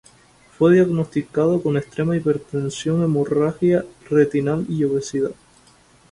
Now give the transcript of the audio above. Fue diagnosticado con extrema hipertensión, hemorragia retinal y obesidad.